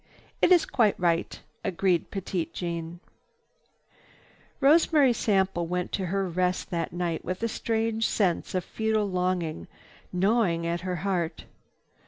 "It is quite right," agreed Petite Jeanne. Rosemary Sample went to her rest that night with a strange sense of futile longing gnawing at her heart.